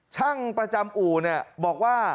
ช่างประจำอู่เนี่ยบอกว่า